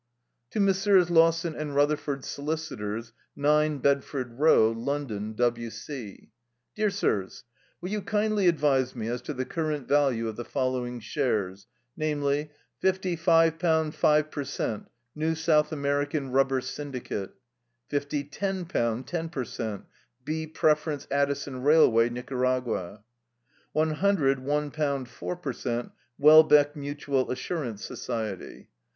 "To Messrs. Lawson & Rutherford, Solicitors, "9, Bedford Row, London, W.C. "Dear Sirs, Will you kindly advise me as to the current value of the following shares namely: "Fifty £5 5 per cent. New South American Rubber Syndicate; "Fifty £10 10 per cent. B Preference Addison Railway, Nicaragua; "One hundred £1 4 per cent. Welbeck Mutual Assurance Society.